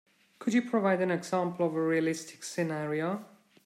Could you provide an example of a realistic scenario?